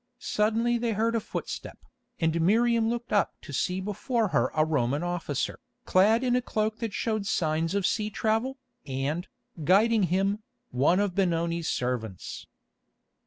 Suddenly they heard a footstep, and Miriam looked up to see before her a Roman officer, clad in a cloak that showed signs of sea travel, and, guiding him, one of Benoni's servants.